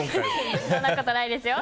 そんなことないですよ。